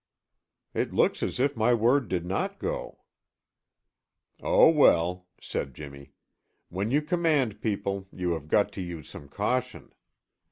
"It looks as if my word did not go." "Oh, well," said Jimmy, "when you command people, you have got to use some caution.